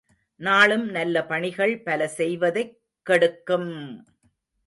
நாளும் நல்ல பணிகள் பல செய்வதைக் கெடுக்கும்!